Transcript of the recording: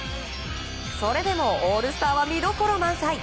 それでもオールスターは見どころ満載。